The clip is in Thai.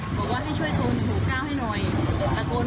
แบบพยายามจะช่วยให้เขาได้รอด